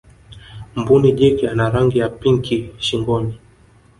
mbuni jike ana rangi ya pinki shingonis